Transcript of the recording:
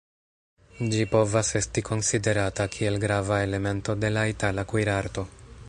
Ĝi povas esti konsiderata kiel grava elemento de la Itala kuirarto.